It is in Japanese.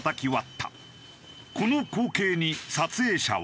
この光景に撮影者は。